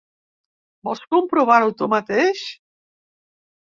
Vols comprovar-ho tu mateix?